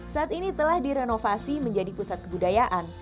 saat ini telah direnovasi menjadi pusat kebudayaan